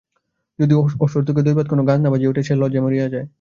যদি অসতর্কে দৈবাৎ কোনো গহনা বাজিয়া উঠে তো সে লজ্জায় মরিয়া যায়।